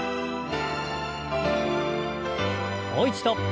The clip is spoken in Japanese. もう一度。